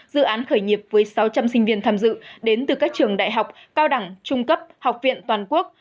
dự án khởi nghiệp với sáu trăm linh sinh viên tham dự đến từ các trường đại học cao đẳng trung cấp học viện toàn quốc